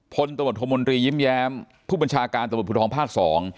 พลตะบดธรรมดรียิ้มแยมผู้บัญชาการตะบดภูทรภาคสอง